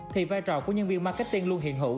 thì vai trò của nhân viên marketing luôn hiện hữu